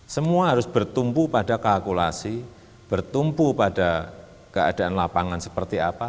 semua harus bertumpu pada kalkulasi bertumpu pada keadaan lapangan seperti apa